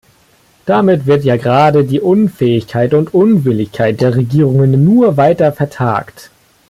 Damit wird ja gerade die Unfähigkeit und Unwilligkeit der Regierungen nur weiter vertagt.